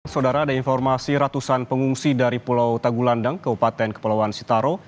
saudara ada informasi ratusan pengungsi dari pulau tagulandang keupatan kepulauan sitaro